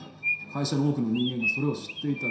会社の多くの人間がそれを知っていた。